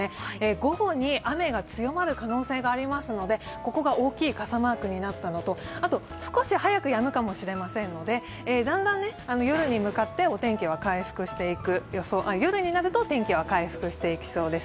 午後に雨が強まる可能性がありますのでここが大きく傘マークになったのと、あと少し早くやむかもしれませんのでだんだん夜になるとお天気は回復していきそうです。